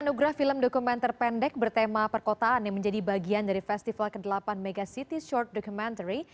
anugrah film dokumenter pendek bertema perkotaan yang menjadi bagian dari festival ke delapan mega city short decomentary